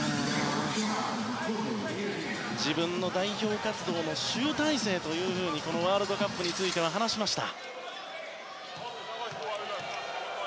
自分の代表活動の集大成というふうにこのワールドカップについては話しました。